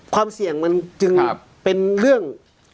ความเสี่ยงมันจึงเป็นเรื่อง